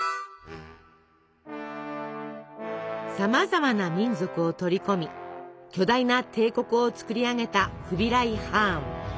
さまざまな民族を取り込み巨大な帝国をつくり上げたフビライ・ハーン。